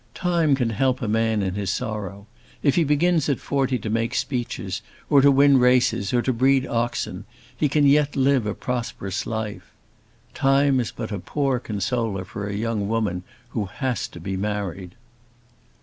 Time can help a man in his sorrow. If he begins at forty to make speeches, or to win races, or to breed oxen, he can yet live a prosperous life. Time is but a poor consoler for a young woman who has to be married."